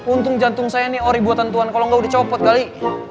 untung jantung saya nih ori buatan tuhan kalau nggak dicopot kali